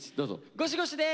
ゴシゴシです！